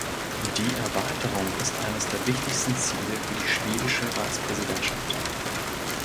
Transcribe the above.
Die Erweiterung ist eines der wichtigsten Ziele für die schwedische Ratspräsidentschaft.